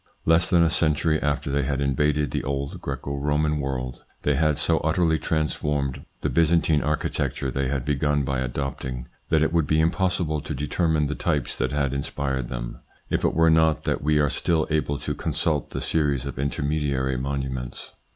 Less than a century after they had invaded the old Greco Roman world, they had so utterly transformed the Byzantine archi tecture they had begun by adopting, that it would be impossible to determine the types that had in spired them, if it were not that we are still able to consult the series of intermediary monuments.